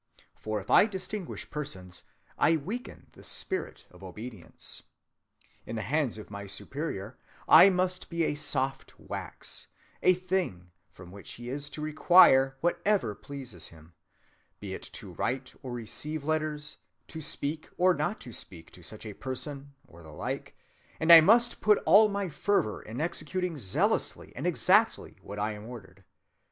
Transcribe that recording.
For if I distinguish persons, I weaken the spirit of obedience. In the hands of my Superior, I must be a soft wax, a thing, from which he is to require whatever pleases him, be it to write or receive letters, to speak or not to speak to such a person, or the like; and I must put all my fervor in executing zealously and exactly what I am ordered.